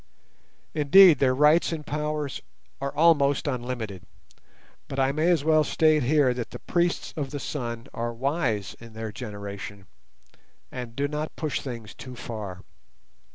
Indeed, their rights and powers are almost unlimited, but I may as well state here that the priests of the Sun are wise in their generation, and do not push things too far.